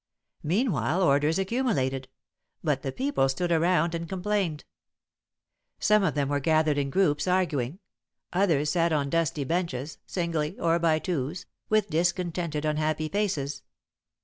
Meanwhile orders accumulated, but the people stood around and complained. Some of them were gathered in groups, arguing; others sat on dusty benches, singly or by twos, with discontented, unhappy faces.